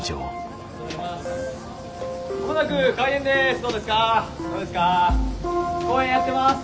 ありがとうございます。